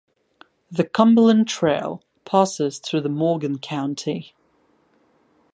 The Cumberland Trail passes through Morgan County.